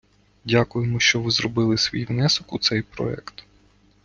Дякуємо, що ви зробили свій внесок у цей проект.